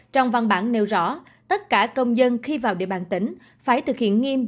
trong văn bản nêu rõ tất cả công dân khi vào địa bàn tỉnh phải thực hiện nghiêm